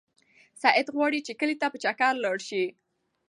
سعید غواړي چې کلي ته په چکر لاړ شي.